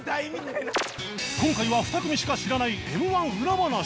今回は２組しか知らない Ｍ−１ 裏話